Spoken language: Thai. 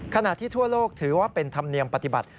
ขณะที่ทั่วโลกถือว่าเป็นธรรมเนียมปฏิบัติ